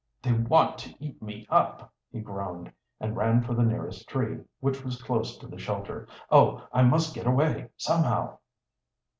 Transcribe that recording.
"They want to eat me up!" he groaned, and ran for the nearest tree, which was close to the shelter. "Oh, I must get away, somehow!"